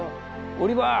オリバー！